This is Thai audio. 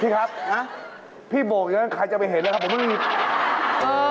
พี่ครับพี่บอกอย่างนั้นใครจะไปเห็นแล้วครับผมไม่รู้หรือ